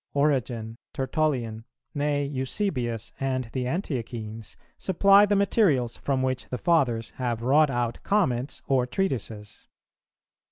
Origen, Tertullian, nay Eusebius and the Antiochenes, supply the materials, from which the Fathers have wrought out comments or treatises.